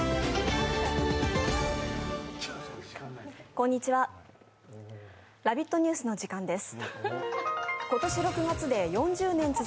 こんにちは、「ラヴィット！ニュース」の時間です。